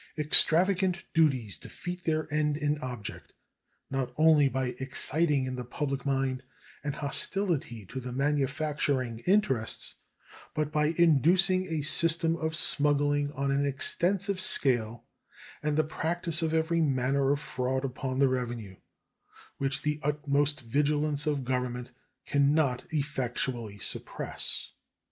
Extravagant duties defeat their end and object, not only by exciting in the public mind an hostility to the manufacturing interests, but by inducing a system of smuggling on an extensive scale and the practice of every manner of fraud upon the revenue, which the utmost vigilance of Government can not effectually suppress.